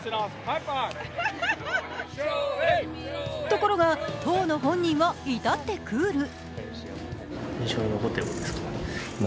ところが、当の本人は至ってクール。